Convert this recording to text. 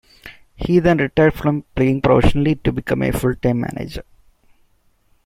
He then retired from playing professionally to become a full-time manager.